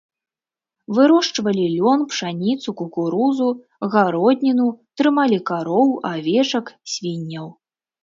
Вырошчвалі лён, пшаніцу, кукурузу, гародніну, трымалі кароў, авечак, свінняў.